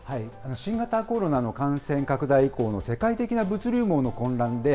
新型コロナの感染拡大以降の世界的な物流網の混乱で、